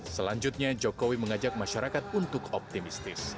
selanjutnya jokowi mengajak masyarakat untuk optimistis